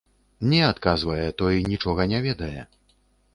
Не, адказвае, той нічога не ведае.